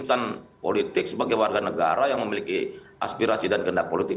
kita kan sebagai insan politik sebagai warga negara yang memiliki aspirasi dan kendak politik